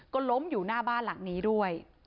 ก็ล้มอยู่หน้าบ้านหลังนี้ด้วย